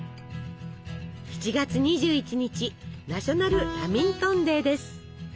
７月２１日ナショナルラミントンデーです。